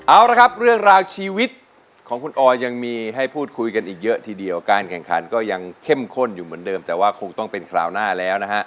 เอาละครับเรื่องราวชีวิตของคุณออยยังมีให้พูดคุยกันอีกเยอะทีเดียวการแข่งขันก็ยังเข้มข้นอยู่เหมือนเดิมแต่ว่าคงต้องเป็นคราวหน้าแล้วนะฮะ